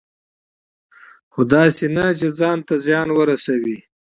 خو داسې نه چې ځان ته زیان ورسوي.